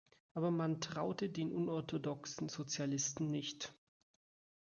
Aber man traute dem unorthodoxen Sozialisten nicht.